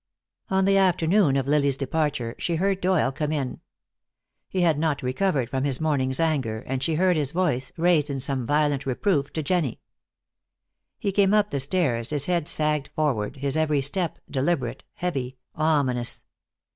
On the afternoon of Lily's departure she heard Doyle come in. He had not recovered from his morning's anger, and she heard his voice, raised in some violent reproof to Jennie. He came up the stairs, his head sagged forward, his every step deliberate, heavy, ominous.